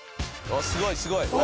すごいすごい！